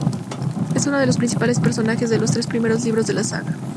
Es uno de los principales personajes de los tres primeros libros de la saga.